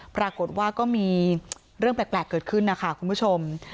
ปรากฏว่าก็มีเรื่องแปลกเกิดขึ้นนะคะคุณผู้ชม